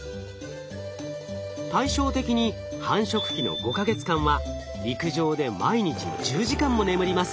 対照的に繁殖期の５か月間は陸上で毎日１０時間も眠ります。